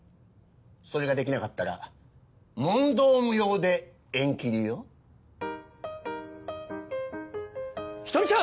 それができなかったら問答無用で縁切りよ人見ちゃん！